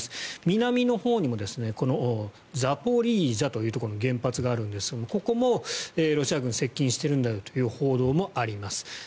南のほうにもザポリージャというところに原発があるんですがここもロシア軍が接近しているんだよという報道もあります。